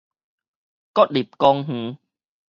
國立公園